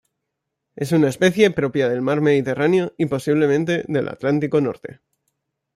Es una especie propia del mar Mediterráneo, y posiblemente del Atlántico norte.